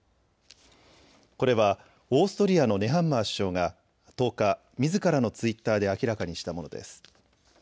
これはオーストリアのネハンマー首相が１０日、みずからのツイッターで明らかにしたものです。